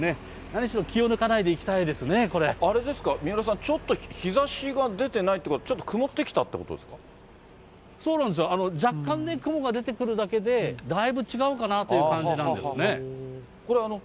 何しろ気を抜かないでいきたいであれですか、三浦さん、ちょっと日ざしが出てないっていうか、ちょっと曇ってきたということでそうなんですよ、若干ね、雲が出てくるだけで、だいぶ違うかなという感じなんですね。